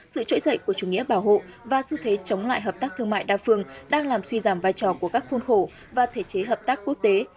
sự trỗi dậy của chủ nghĩa bảo hộ và xu thế chống lại hợp tác thương mại đa phương đang làm suy giảm vai trò của các khuôn khổ và thể chế hợp tác quốc tế